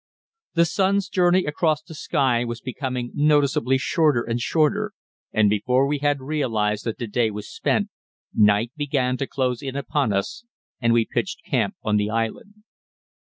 The sun's journey across the sky was becoming noticeably shorter and shorter, and before we had realised that the day was spent, night began to close in upon us, and we pitched camp on the island.